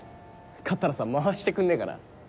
買ったらさ回してくんねぇかな。